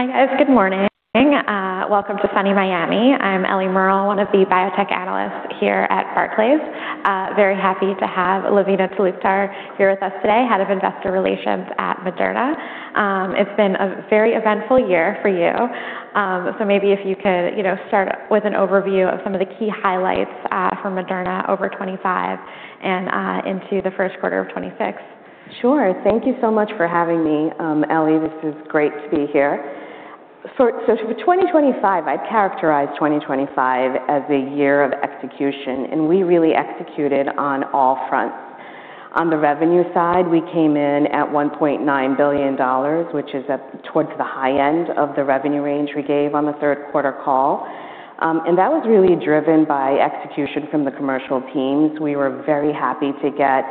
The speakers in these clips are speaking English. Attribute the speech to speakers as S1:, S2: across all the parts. S1: Hi, guys. Good morning. Welcome to Sunny Miami. I'm Ellie Merle, one of the biotech analysts here at Barclays. Very happy to have Lavina Talukdar here with us today, Head of Investor Relations at Moderna. It's been a very eventful year for you. Maybe if you could, you know, start with an overview of some of the key highlights for Moderna over 2025 and into the first quarter of 2026.
S2: Sure. Thank you so much for having me, Ellie. This is great to be here. For 2025, I'd characterize 2025 as a year of execution, and we really executed on all fronts. On the revenue side, we came in at $1.9 billion, which is towards the high end of the revenue range we gave on the third quarter call. That was really driven by execution from the commercial teams. We were very happy to get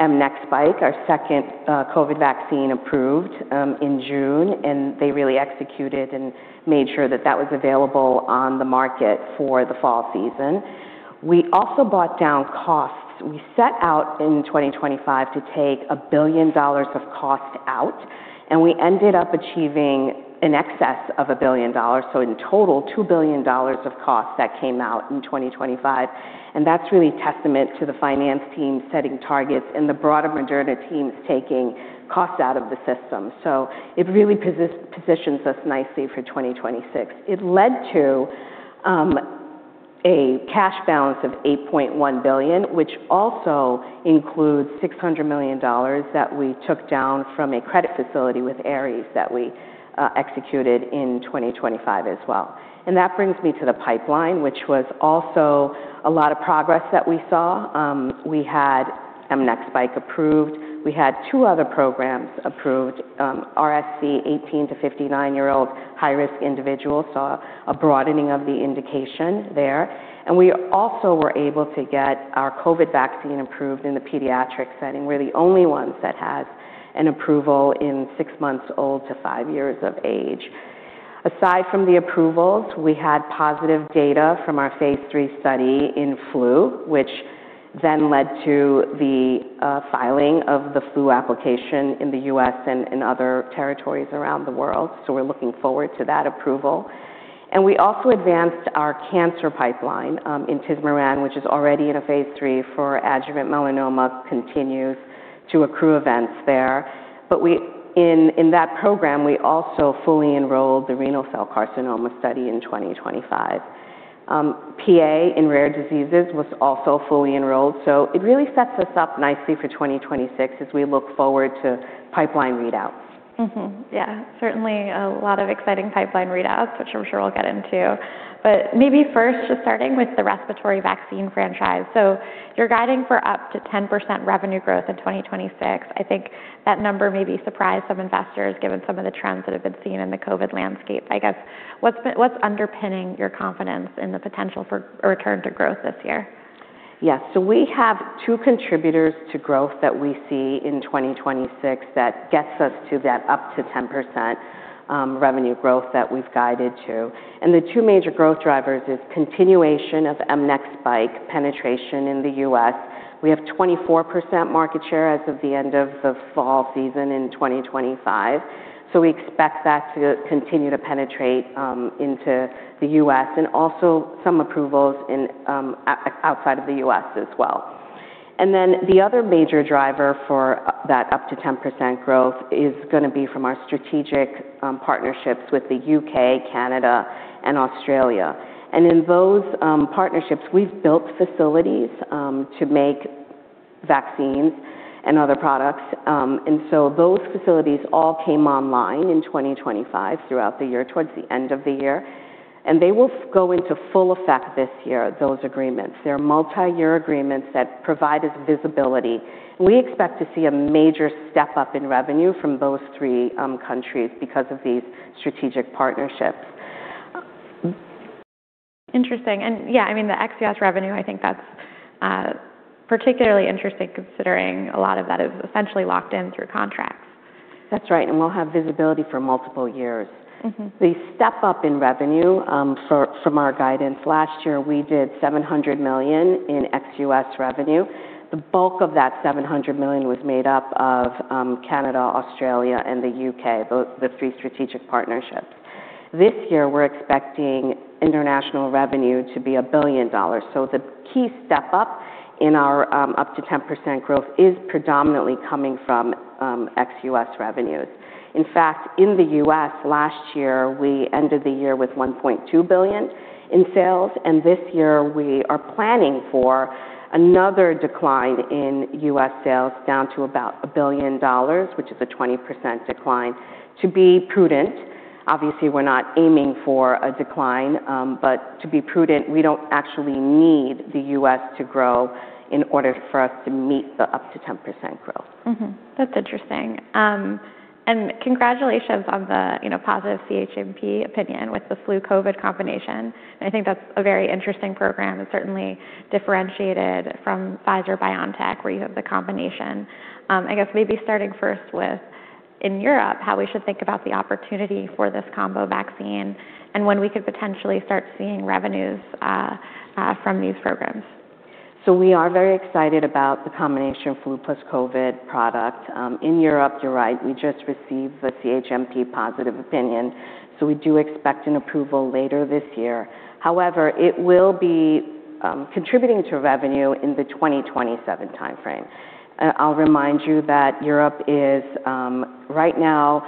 S2: mNEXSPIKE, our second COVID vaccine, approved in June, and they really executed and made sure that that was available on the market for the fall season. We also brought down costs. We set out in 2025 to take $1 billion of cost out, and we ended up achieving in excess of $1 billion, so in total, $2 billion of costs that came out in 2025. That's really testament to the finance team setting targets and the broader Moderna teams taking costs out of the system. It really positions us nicely for 2026. It led to a cash balance of $8.1 billion, which also includes $600 million that we took down from a credit facility with Ares that we executed in 2025 as well. That brings me to the pipeline, which was also a lot of progress that we saw. We had mNEXSPIKE approved. We had two other programs approved. RSV 18- to 59-year-old high-risk individuals saw a broadening of the indication there. We also were able to get our COVID vaccine approved in the pediatric setting. We're the only ones that has an approval in six months old to five years of age. Aside from the approvals, we had positive data from our phase III study in flu, which then led to the filing of the flu application in the U.S. and in other territories around the world. We're looking forward to that approval. We also advanced our cancer pipeline in intismeran, which is already in a phase III for adjuvant melanoma, continues to accrue events there. In that program, we also fully enrolled the renal cell carcinoma study in 2025. PA in rare diseases was also fully enrolled. It really sets us up nicely for 2026 as we look forward to pipeline readouts.
S1: Certainly a lot of exciting pipeline readouts, which I'm sure we'll get into. Maybe first just starting with the respiratory vaccine franchise. You're guiding for up to 10% revenue growth in 2026. I think that number maybe surprised some investors given some of the trends that have been seen in the COVID landscape. I guess, what's underpinning your confidence in the potential for a return to growth this year?
S2: Yes. We have two contributors to growth that we see in 2026 that gets us to that up to 10% revenue growth that we've guided to. The two major growth drivers is continuation of mNEXSPIKE penetration in the U.S. We have 24% market share as of the end of the fall season in 2025. We expect that to continue to penetrate into the U.S. and also some approvals outside of the U.S. as well. The other major driver for that up to 10% growth is gonna be from our strategic partnerships with the U.K., Canada, and Australia. In those partnerships, we've built facilities to make vaccines and other products. Those facilities all came online in 2025 throughout the year, towards the end of the year. They will go into full effect this year, those agreements. They're multi-year agreements that provided visibility. We expect to see a major step-up in revenue from those three, countries because of these strategic partnerships.
S1: Interesting. Yeah, I mean, the ex-U.S. revenue, I think that's particularly interesting considering a lot of that is essentially locked in through contracts.
S2: That's right. We'll have visibility for multiple years.
S1: Mm-hmm.
S2: The step-up in revenue from our guidance, last year we did $700 million in ex-U.S. revenue. The bulk of that $700 million was made up of Canada, Australia, and the U.K., the three strategic partnerships. This year, we're expecting international revenue to be $1 billion. The key step-up in our up to 10% growth is predominantly coming from ex-U.S. revenues. In fact, in the U.S. last year, we ended the year with $1.2 billion in sales, and this year we are planning for another decline in U.S. sales down to about $1 billion, which is a 20% decline. To be prudent, obviously, we're not aiming for a decline, but to be prudent, we don't actually need the U.S. to grow in order for us to meet the up to 10% growth.
S1: That's interesting. Congratulations on the, you know, positive CHMP opinion with the Flu-COVID combination. I think that's a very interesting program. It's certainly differentiated from Pfizer-BioNTech, where you have the combination. I guess maybe starting first with in Europe, how we should think about the opportunity for this combo vaccine and when we could potentially start seeing revenues from these programs?
S2: We are very excited about the combination flu plus COVID product. In Europe, you're right, we just received the CHMP positive opinion, so we do expect an approval later this year. However, it will be contributing to revenue in the 2027 timeframe. I'll remind you that Europe is right now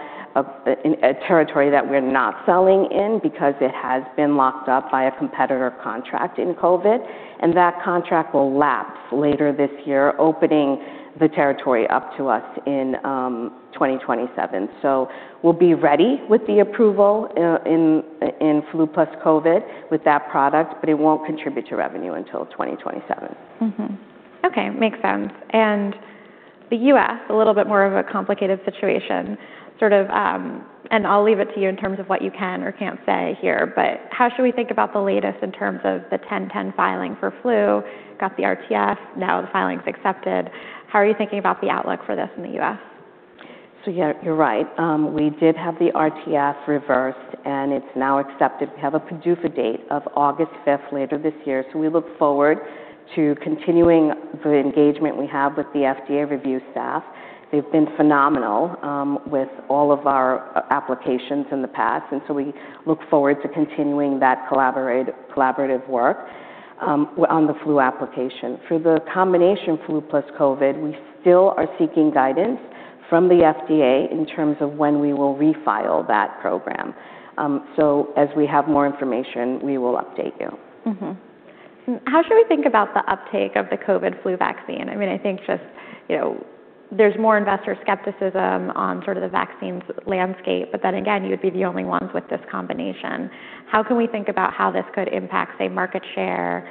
S2: in a territory that we're not selling in because it has been locked up by a competitor contract in COVID, and that contract will lapse later this year, opening the territory up to us in 2027. We'll be ready with the approval in flu plus COVID with that product, but it won't contribute to revenue until 2027.
S1: Mm-hmm. Okay. Makes sense. The U.S., a little bit more of a complicated situation, sort of. I'll leave it to you in terms of what you can or can't say here, but how should we think about the latest in terms of the 1010 filing for flu? Got the RTF, now the filing's accepted. How are you thinking about the outlook for this in the U.S.?
S2: Yeah, you're right. We did have the RTF reversed, and it's now accepted. We have a PDUFA date of August 5th later this year, so we look forward to continuing the engagement we have with the FDA review staff. They've been phenomenal with all of our applications in the past, and we look forward to continuing that collaborative work on the flu application. For the combination flu plus COVID, we still are seeking guidance from the FDA in terms of when we will refile that program. As we have more information, we will update you.
S1: How should we think about the uptake of the COVID flu vaccine? I mean, I think just, you know, there's more investor skepticism on sort of the vaccines landscape, but then again, you would be the only ones with this combination. How can we think about how this could impact, say, market share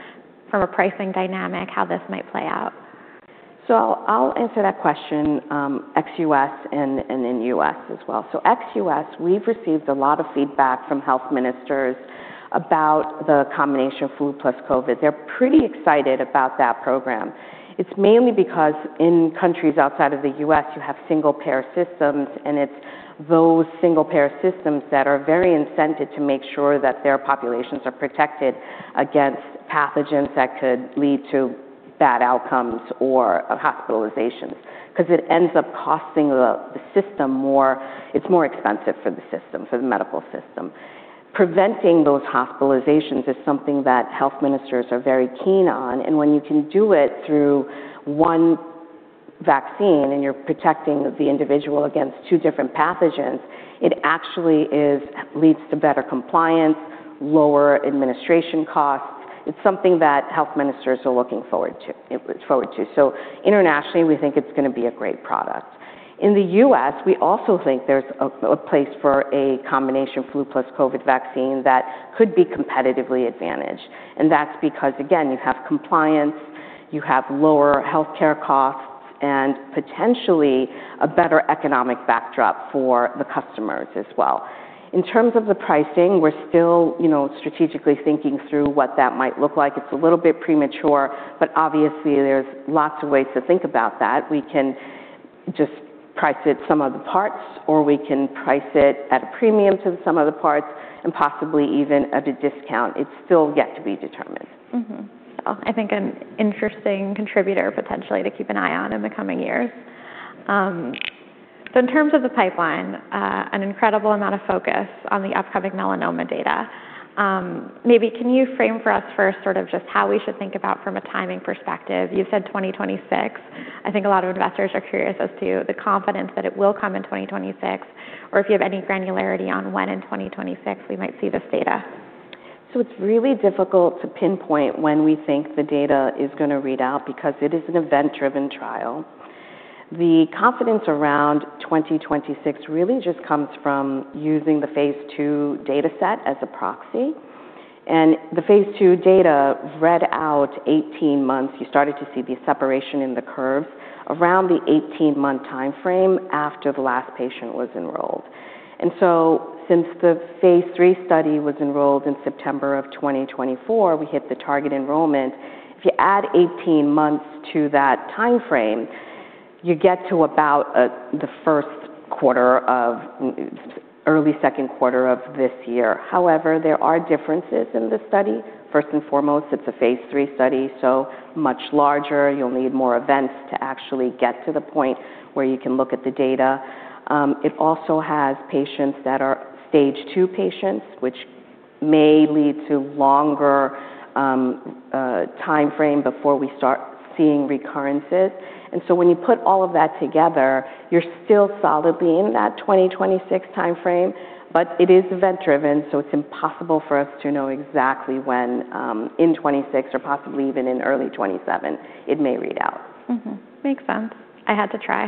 S1: from a pricing dynamic, how this might play out?
S2: I'll answer that question, ex-U.S. and in U.S. As well. ex-U.S., we've received a lot of feedback from health ministers about the combination of flu plus COVID. They're pretty excited about that program. It's mainly because in countries outside of the U.S., you have single payer systems, and it's those single payer systems that are very incented to make sure that their populations are protected against pathogens that could lead to bad outcomes or hospitalizations, 'cause it ends up costing the system more. It's more expensive for the system, for the medical system. Preventing those hospitalizations is something that health ministers are very keen on, and when you can do it through one vaccine, and you're protecting the individual against two different pathogens, it actually leads to better compliance, lower administration costs. It's something that health ministers are looking forward to. Internationally, we think it's gonna be a great product. In the U.S., we also think there's a place for a combination flu plus COVID vaccine that could be competitively advantaged, and that's because, again, you have compliance, you have lower healthcare costs, and potentially a better economic backdrop for the customers as well. In terms of the pricing, we're still, you know, strategically thinking through what that might look like. It's a little bit premature, but obviously there's lots of ways to think about that. We can just price it sum of the parts, or we can price it at a premium to the sum of the parts and possibly even at a discount. It's still yet to be determined.
S1: I think an interesting contributor potentially to keep an eye on in the coming years. In terms of the pipeline, an incredible amount of focus on the upcoming melanoma data. Maybe can you frame for us first sort of just how we should think about from a timing perspective? You said 2026. I think a lot of investors are curious as to the confidence that it will come in 2026, or if you have any granularity on when in 2026 we might see this data.
S2: It's really difficult to pinpoint when we think the data is gonna read out because it is an event-driven trial. The confidence around 2026 really just comes from using the phase II data set as a proxy. The phase II data read out 18 months. You started to see the separation in the curves around the 18-month timeframe after the last patient was enrolled. Since the phase III study was enrolled in September 2024, we hit the target enrollment. If you add 18 months to that timeframe, you get to about the early second quarter of this year. However, there are differences in the study. First and foremost, it's a phase III study, so much larger. You'll need more events to actually get to the point where you can look at the data. It also has patients that are stage two patients, which may lead to longer timeframe before we start seeing recurrences. When you put all of that together, you're still solidly in that 2026 timeframe, but it is event-driven, so it's impossible for us to know exactly when in 2026 or possibly even in early 2027 it may read out.
S1: Mm-hmm. Makes sense. I had to try.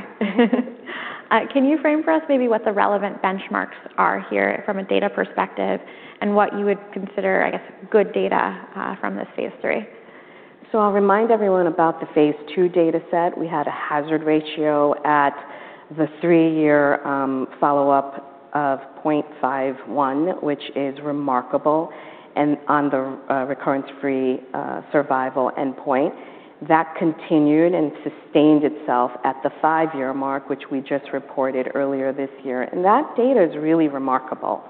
S1: Can you frame for us maybe what the relevant benchmarks are here from a data perspective and what you would consider, I guess, good data from this phase III?
S2: I'll remind everyone about the phase II data set. We had a hazard ratio at the three-year follow-up of 0.51, which is remarkable, and on the recurrence-free survival endpoint. That continued and sustained itself at the five-year mark, which we just reported earlier this year. That data is really remarkable.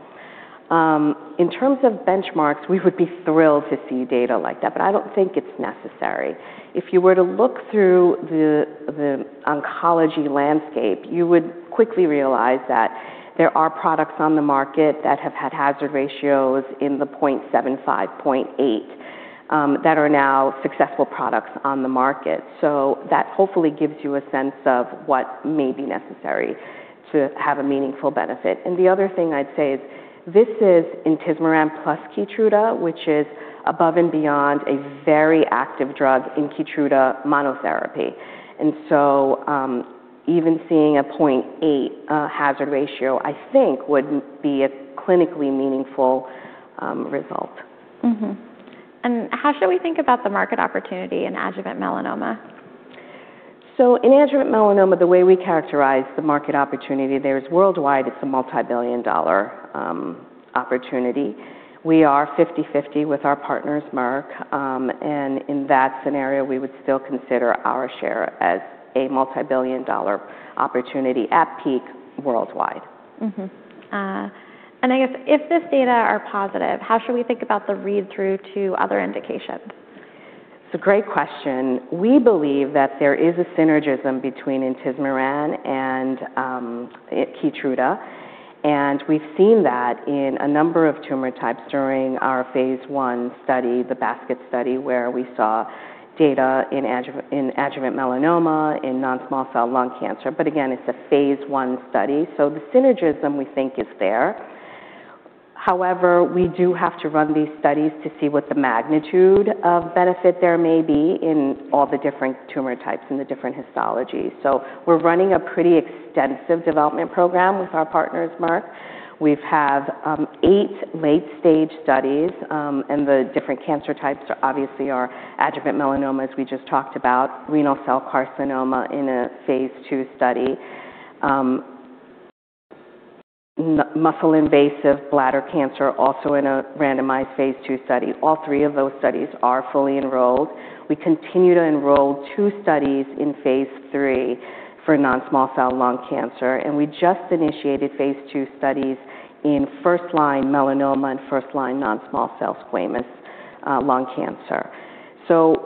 S2: In terms of benchmarks, we would be thrilled to see data like that, but I don't think it's necessary. If you were to look through the oncology landscape, you would quickly realize that there are products on the market that have had hazard ratios in the 0.75, 0.8, that are now successful products on the market. That hopefully gives you a sense of what may be necessary to have a meaningful benefit. The other thing I'd say is this is intismeran plus Keytruda, which is above and beyond a very active drug in Keytruda monotherapy. Even seeing a 0.8 hazard ratio, I think would be a clinically meaningful result.
S1: How should we think about the market opportunity in adjuvant melanoma?
S2: In adjuvant melanoma, the way we characterize the market opportunity there is worldwide, it's a multibillion-dollar opportunity. We are 50/50 with our partners, Merck. In that scenario, we would still consider our share as a multibillion-dollar opportunity at peak worldwide.
S1: I guess if this data are positive, how should we think about the read-through to other indications?
S2: It's a great question. We bellieve that there is a synergism between intismeran and Keytruda, and we've seen that in a number of tumor types during our phase I study, the basket study, where we saw data in adjuvant melanoma, in non-small cell lung cancer. Again, it's a phase I study, so the synergism, we think, is there. However, we do have to run these studies to see what the magnitude of benefit there may be in all the different tumor types and the different histologies. We're running a pretty extensive development program with our partners, Merck. We have eight late-stage studies, and the different cancer types obviously are adjuvant melanoma, as we just talked about, renal cell carcinoma in a phase II study, muscle-invasive bladder cancer also in a randomized phase II study. All three of those studies are fully enrolled. We continue to enroll two studies in phase III for non-small cell lung cancer, and we just initiated phase II studies in first-line melanoma and first-line non-small cell squamous lung cancer.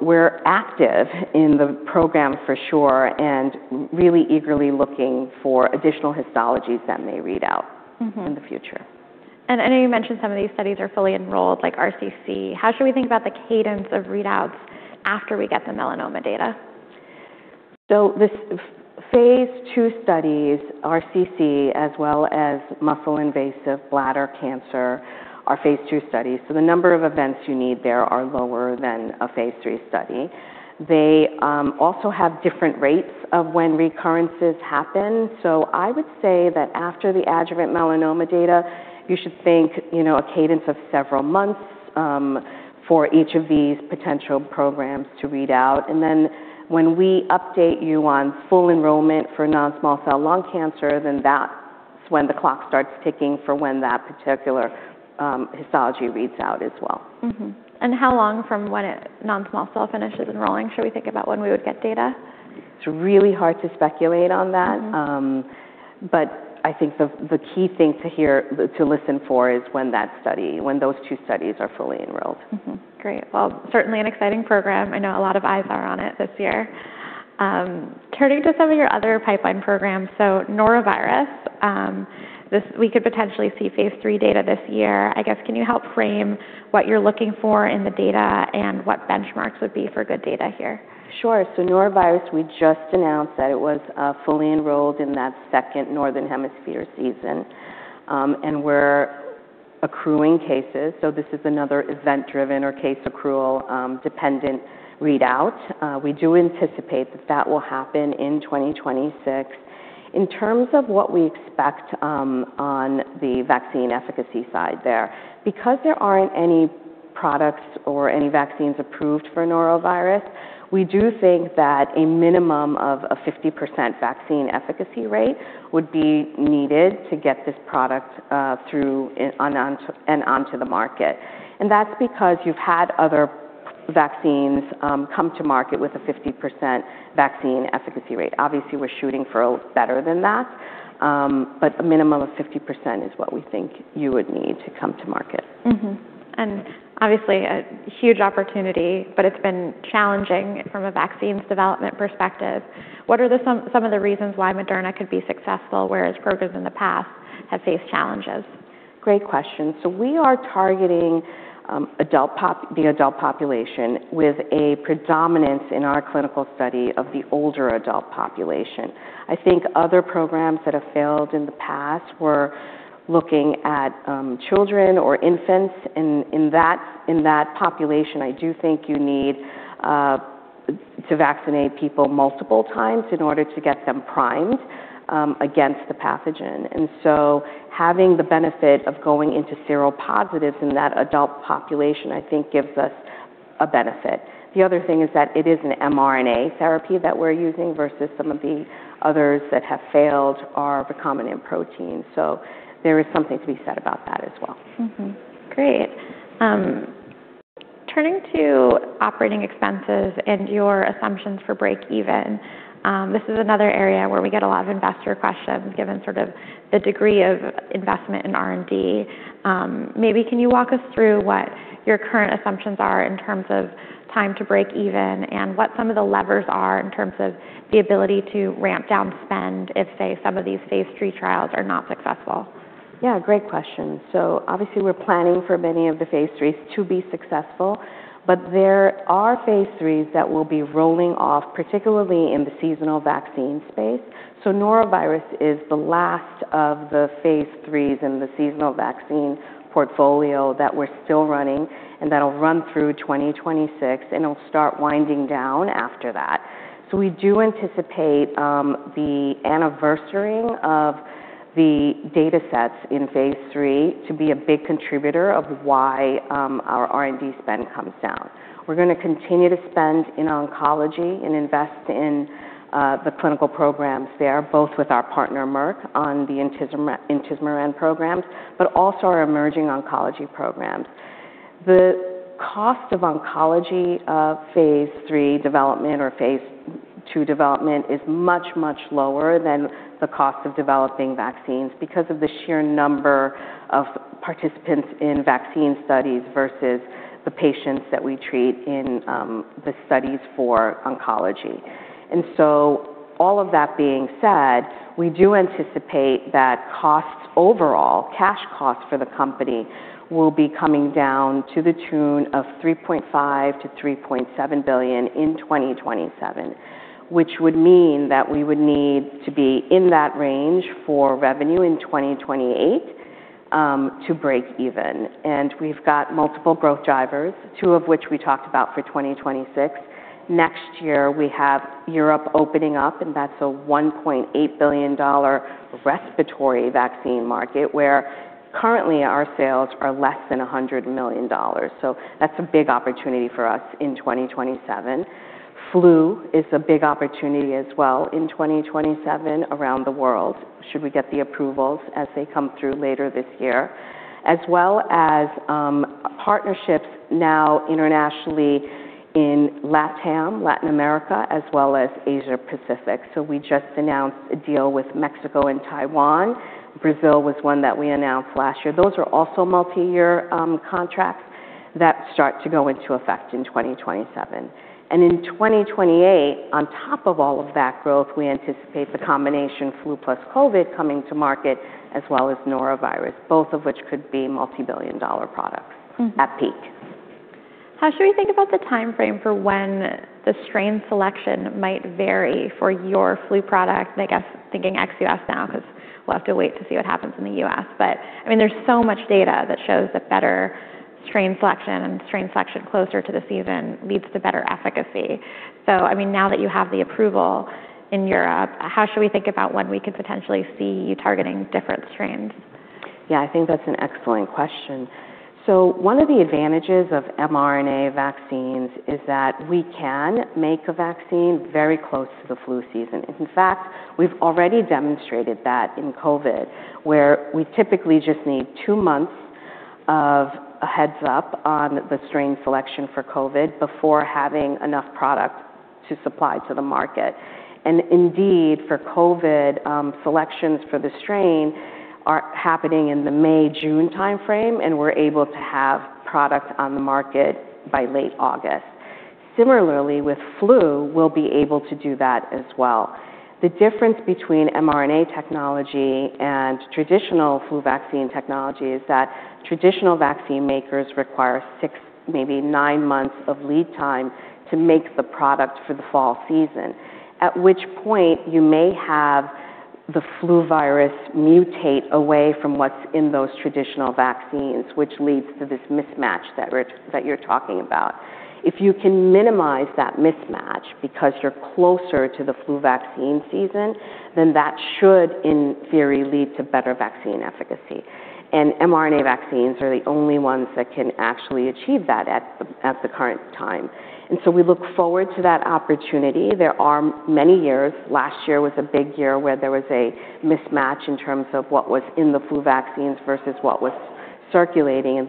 S2: We're active in the program for sure and really eagerly looking for additional histologies that may read out.
S1: Mm-hmm.
S2: In the future.
S1: I know you mentioned some of these studies are fully enrolled, like RCC. How should we think about the cadence of readouts after we get the melanoma data?
S2: phase II studies, RCC, as well as muscle-invasive bladder cancer, are phase II studies, so the number of events you need there are lower than a phase III study. They also have different rates of when recurrences happen. So I would say that after the adjuvant melanoma data, you should think, you know, a cadence of several months for each of these potential programs to read out. And then when we update you on full enrollment for non-small cell lung cancer, then that's when the clock starts ticking for when that particular histology reads out as well.
S1: How long from when non-small cell finishes enrolling should we think about when we would get data?
S2: It's really hard to speculate on that.
S1: Mm-hmm.
S2: I think the key thing to listen for is when that study, when those two studies are fully enrolled.
S1: Great. Well, certainly an exciting program. I know a lot of eyes are on it this year. Turning to some of your other pipeline programs, so Norovirus, we could potentially see phase III data this year. I guess, can you help frame what you're looking for in the data and what benchmarks would be for good data here?
S2: Sure. Norovirus, we just announced that it was fully enrolled in that second Northern Hemisphere season. We're accruing cases, so this is another event-driven or case accrual dependent readout. We do anticipate that will happen in 2026. In terms of what we expect on the vaccine efficacy side there, because there aren't any products or any vaccines approved for norovirus, we do think that a minimum of a 50% vaccine efficacy rate would be needed to get this product through and onto the market. That's because you've had other vaccines come to market with a 50% vaccine efficacy rate. Obviously, we're shooting for better than that, but a minimum of 50% is what we think you would need to come to market.
S1: Mm-hmm. Obviously a huge opportunity, but it's been challenging from a vaccines development perspective. What are some of the reasons why Moderna could be successful, whereas programs in the past have faced challenges?
S2: Great question. We are targeting the adult population with a predominance in our clinical study of the older adult population. I think other programs that have failed in the past were looking at children or infants. In that population, I do think you need to vaccinate people multiple times in order to get them primed against the pathogen. Having the benefit of going into seropositive in that adult population, I think gives us a benefit. The other thing is that it is an mRNA therapy that we're using versus some of the others that have failed are recombinant proteins. There is something to be said about that as well.
S1: Great. Turning to operating expenses and your assumptions for break even, this is another area where we get a lot of investor questions given sort of the degree of investment in R&D. Maybe can you walk us through what your current assumptions are in terms of time to break even and what some of the levers are in terms of the ability to ramp down spend if say some of these phase III trials are not successful?
S2: Yeah, great question. Obviously we're planning for many of the phase IIIs to be successful, but there are phase IIIs that will be rolling off, particularly in the seasonal vaccine space. Norovirus is the last of the phase IIIs in the seasonal vaccine portfolio that we're still running, and that'll run through 2026, and it'll start winding down after that. We do anticipate the anniversarying of the datasets in phase III to be a big contributor of why our R&D spend comes down. We're gonna continue to spend in oncology and invest in the clinical programs there, both with our partner Merck on the intismeran programs, but also our emerging oncology programs. The cost of oncology, phase III development or phase II development is much, much lower than the cost of developing vaccines because of the sheer number of participants in vaccine studies versus the patients that we treat in, the studies for oncology. All of that being said, we do anticipate that costs overall, cash costs for the company, will be coming down to the tune of $3.5 billion-$3.7 billion in 2027, which would mean that we would need to be in that range for revenue in 2028 to break even. We've got multiple growth drivers, two of which we talked about for 2026. Next year we have Europe opening up, and that's a $1.8 billion respiratory vaccine market where currently our sales are less than $100 million. That's a big opportunity for us in 2027. Flu is a big opportunity as well in 2027 around the world, should we get the approvals as they come through later this year, as well as partnerships now internationally in LatAm, Latin America, as well as Asia-Pacific. We just announced a deal with Mexico and Taiwan. Brazil was one that we announced last year. Those are also multiyear contracts that start to go into effect in 2027. In 2028, on top of all of that growth, we anticipate the combination flu plus COVID coming to market as well as norovirus, both of which could be multi-billion-dollar products at peak.
S1: How should we think about the timeframe for when the strain selection might vary for your flu product? I guess thinking ex-U.S. now 'cause we'll have to wait to see what happens in the U.S. I mean, there's so much data that shows that better strain selection and strain selection closer to the season leads to better efficacy. I mean, now that you have the approval in Europe, how should we think about when we could potentially see you targeting different strains?
S2: Yeah, I think that's an excellent question. One of the advantages of mRNA vaccines is that we can make a vaccine very close to the flu season. In fact, we've already demonstrated that in COVID, where we typically just need two months of a heads-up on the strain selection for COVID before having enough product to supply to the market. Indeed, for COVID, selections for the strain are happening in the May-June timeframe, and we're able to have product on the market by late August. Similarly, with flu, we'll be able to do that as well. The difference between mRNA technology and traditional flu vaccine technology is that traditional vaccine makers require six, maybe nine months of lead time to make the product for the fall season, at which point you may have the flu virus mutate away from what's in those traditional vaccines, which leads to this mismatch that you're talking about. If you can minimize that mismatch because you're closer to the flu vaccine season, then that should in theory lead to better vaccine efficacy. mRNA vaccines are the only ones that can actually achieve that at the current time. We look forward to that opportunity. There are many years. Last year was a big year where there was a mismatch in terms of what was in the flu vaccines versus what was circulating.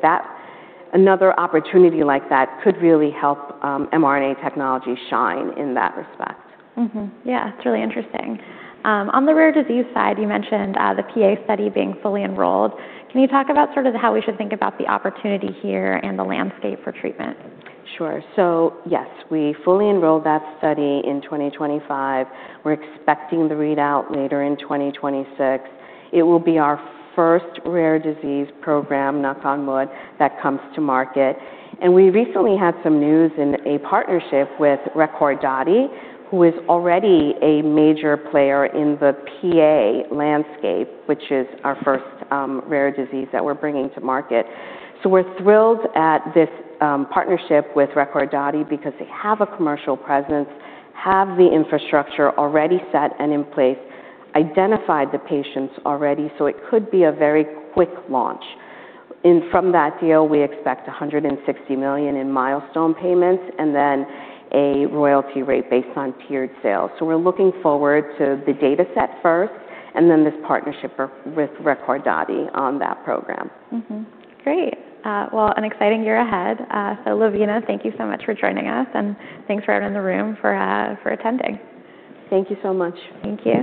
S2: Another opportunity like that could really help, mRNA technology shine in that respect.
S1: It's really interesting. On the rare disease side, you mentioned the PA study being fully enrolled. Can you talk about sort of how we should think about the opportunity here and the landscape for treatment?
S2: Sure. Yes, we fully enrolled that study in 2025. We're expecting the readout later in 2026. It will be our first rare disease program, knock on wood, that comes to market. We recently had some news in a partnership with Recordati, who is already a major player in the PA landscape, which is our first rare disease that we're bringing to market. We're thrilled at this partnership with Recordati because they have a commercial presence, have the infrastructure already set and in place, identified the patients already, so it could be a very quick launch. From that deal, we expect $160 million in milestone payments and then a royalty rate based on tiered sales. We're looking forward to the dataset first and then this partnership with Recordati on that program.
S1: Great. Well, an exciting year ahead. Lavina, thank you so much for joining us, and thanks for everyone in the room for attending.
S2: Thank you so much.
S1: Thank you.